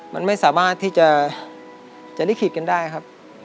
มันไม่สามารถที่จะลิขิตกันได้ครับ